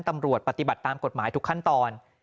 ตำรวจปฏิบัติตามกฎหมายทุกขั้นตอน